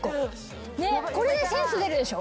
これでセンス出るでしょ。